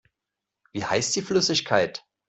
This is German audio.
Wie heißt die Flüssigkeit?